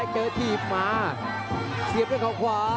ขวาเสียบคนขวา